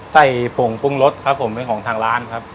ผงปรุงรสครับผมเป็นของทางร้านครับ